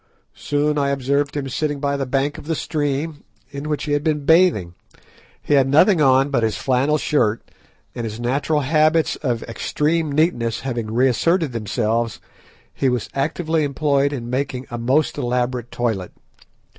Soon I observed him sitting by the bank of the stream, in which he had been bathing. He had nothing on but his flannel shirt, and his natural habits of extreme neatness having reasserted themselves, he was actively employed in making a most elaborate toilet.